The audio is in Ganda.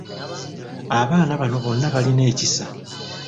Abaana bano bonna balina ekisa.